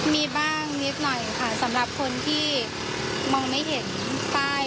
มีบ้างนิดหน่อยค่ะสำหรับคนที่มองไม่เห็นป้าย